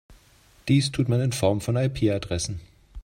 Dies tut man in Form von IP-Adressen.